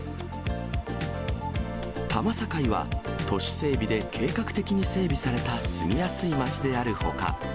多摩境は、都市整備で計画的に整備された住みやすい街であるほか。